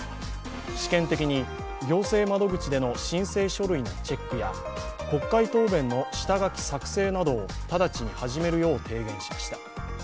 試験的に、行政窓口での申請書類のチェックや国会答弁の下書き作成などを直ちに始めるよう提言しました。